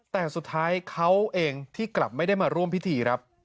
แต่สุดท้ายเขาเองที่กลับไม่ได้มาร่วมพิธีครับ